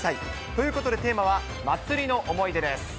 ということでテーマは、祭りの思い出です。